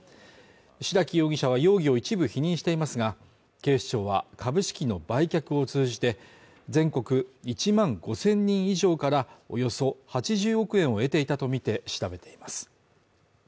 白木容疑者は容疑を一部否認していますが、警視庁は株式の売却を通じて全国１万５０００人以上からおよそ８０億円を得ていたとみて調べています。